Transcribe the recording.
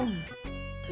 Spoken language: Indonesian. bagaimana saja ma'a kum